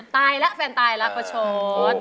ตายแล้วแฟนตายแล้วประชด